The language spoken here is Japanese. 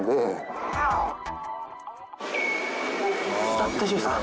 あっ大丈夫ですか？